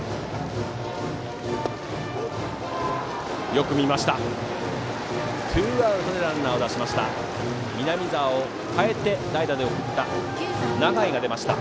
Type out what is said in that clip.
よく見ました。